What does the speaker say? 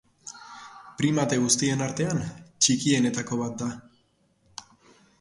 Primate guztien artean txikienetako bat da.